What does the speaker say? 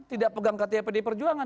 tidak pegang kata pdi perjuangan